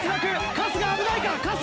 春日危ないか？